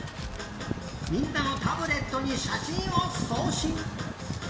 みんなのタブレットにしゃしんをそうしん！